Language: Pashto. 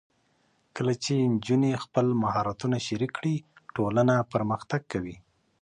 کله چې نجونې خپل مهارتونه شریک کړي، ټولنه پرمختګ کوي.